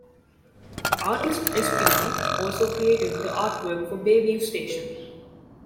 Artist Espinal also created the artwork for Bayview station.